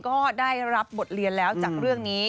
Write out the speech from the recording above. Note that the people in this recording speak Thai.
ก็ได้รับบทเรียนแล้วจากเรื่องนี้